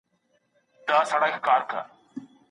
معلومات په دقت سره تحلیل کړئ.